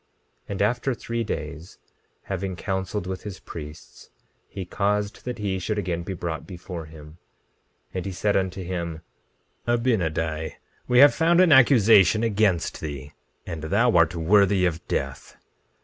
17:6 And after three days, having counseled with his priests, he caused that he should again be brought before him. 17:7 And he said unto him: Abinadi, we have found an accusation against thee, and thou art worthy of death.